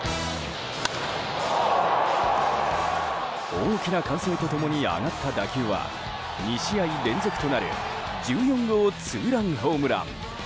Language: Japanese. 大きな歓声と共に上がった打球は２試合連続となる１４号ツーランホームラン！